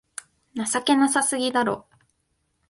情けなさすぎだろ